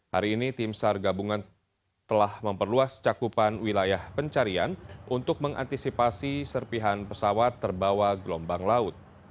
hari ini tim sar gabungan telah memperluas cakupan wilayah pencarian untuk mengantisipasi serpihan pesawat terbawa gelombang laut